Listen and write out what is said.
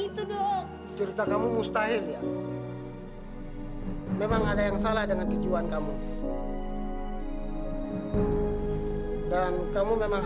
tolong lagi ya toh